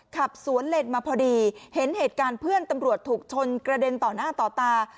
ขับสวนเลนมาพอดีเห็นเหตุการณ์เพื่อนตำรวจถูกชนกระเด็นต่อหน้าต่อตา